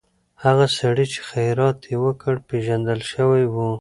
هغه سړی چې خیرات یې وکړ، پېژندل شوی و.